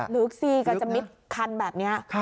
ลึกสิกับจะมิดคันแบบนี้